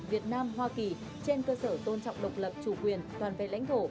việt nam hoa kỳ trên cơ sở tôn trọng độc lập chủ quyền toàn vẹn lãnh thổ